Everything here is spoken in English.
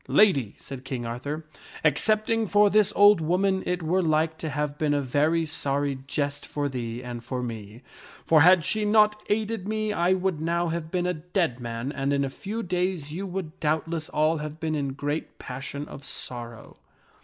" Lady," said King Arthur, " excepting for this old woman it were like to have been a very sorry jest for thee and for me ; for had she not aided me I would now have been a dead man and in a few days you would doubtless all have been in great passion of sorrow."